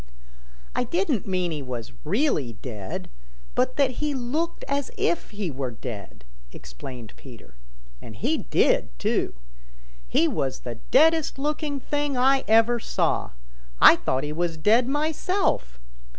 "I didn't mean he was really dead, but that he looked as if he were dead," explained Peter. "And he did, too. He was the deadest looking thing I ever saw. I thought he was dead myself.